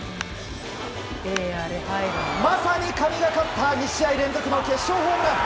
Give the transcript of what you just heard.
まさに神がかった２試合連続の決勝ホームラン。